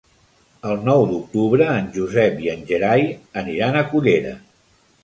El nou d'octubre en Josep i en Gerai aniran a Cullera.